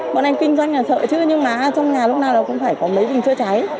bọn anh kinh doanh là sợ chứ nhưng mà trong nhà lúc nào là cũng phải có mấy bình chữa cháy